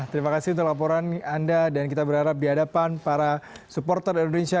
terima kasih untuk laporan anda dan kita berharap di hadapan para supporter indonesia